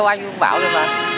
đâu anh cũng bảo được anh